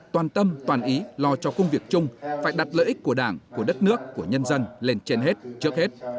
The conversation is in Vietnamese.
toàn tâm toàn ý lo cho công việc chung phải đặt lợi ích của đảng của đất nước của nhân dân lên trên hết trước hết